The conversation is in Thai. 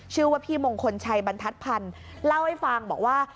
ชื่อว่าพี่มงคลชัยบรรทัศน์พันธ์เล่าให้ฟังบอกว่า